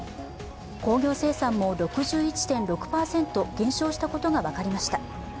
工業生産も６１．６％減少したことが分かりました。